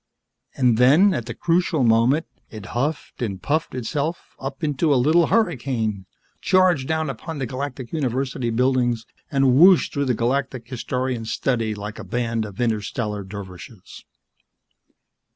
And then, at the crucial moment, it huffed and puffed itself up into a little hurricane, charged down upon the Galactic University buildings and whooshed through the Galactic Historian's study like a band of interstellar dervishes.